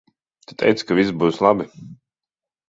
Tu teici ka viss būs labi.